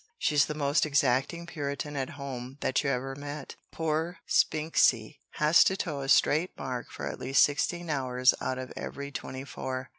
She's the most exacting Puritan at home that you ever met. Poor Spinksy has to toe a straight mark for at least sixteen hours out of every twenty four.